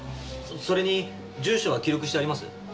それに住所は記録してあります？